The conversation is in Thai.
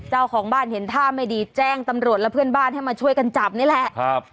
เจ้าของบ้านเห็นท่าไม่ดีแจ้งตำรวจและเพื่อนบ้านให้มาช่วยกันจับนี่แหละครับ